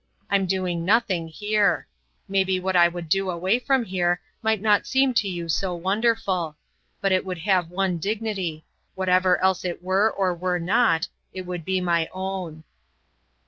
I'm doing nothing here. Maybe what I would do away from here might not seem to you so wonderful. But it would have one dignity whatever else it were or were not, it would be my own."